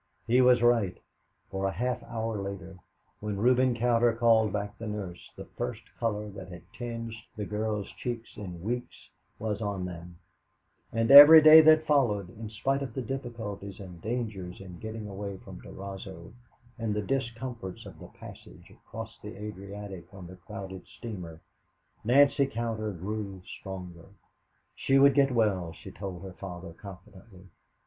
He was right, for a half hour later, when Reuben Cowder called back the nurse, the first color that had tinged the girl's cheeks in weeks was on them, and every day that followed, in spite of the difficulties and dangers in getting away from Durazzo, and the discomforts of the passage across the Adriatic on the crowded steamer, Nancy Cowder grew stronger. She would get well, she told her father confidently.